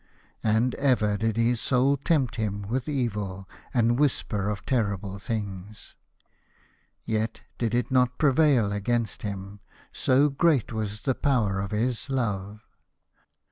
And ever did his Soul tempt him with evil, and whisper of terrible things. Yet did it 119 A House of Pomegranates. not prevail against him, so great was the power of his love.